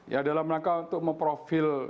ya dalam rangka untuk memprofil